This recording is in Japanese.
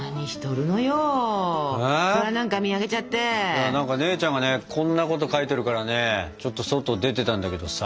いや何か姉ちゃんがねこんなこと書いてるからねちょっと外出てたんだけどさ。